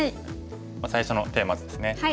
最初のテーマ図ですね。